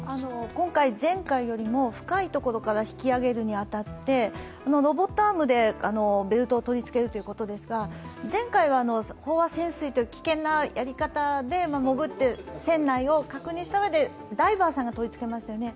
今回前回よりも深いところから引き揚げるに当たって、ロボットアームでベルトを取り付けるということですが前回、飽和潜水という危険なやり方で潜って船内を確認した上でダイバーさんが取りつけましたよね。